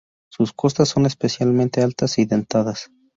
Sus costas son especialmente altas y dentadas.